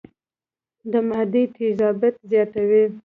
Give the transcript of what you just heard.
د معدې تېزابيت زياتوي